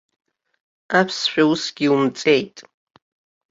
Аԥсшәа усгьы иумҵеит.